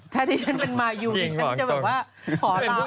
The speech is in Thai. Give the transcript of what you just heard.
ถ้าที่ฉันเป็นมาอยู่ฉันจะแบบว่าขอลาออก